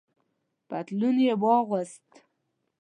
پتلون یې واغوست.